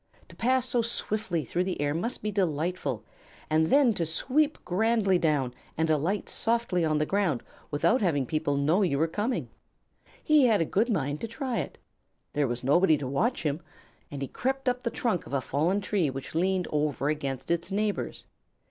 To pass so swiftly through the air must be delightful, and then to sweep grandly down and alight softly on the ground without having people know that you were coming! He had a good mind to try it. There was nobody to watch him, and he crept up the trunk of a fallen tree which leaned over against its neighbors.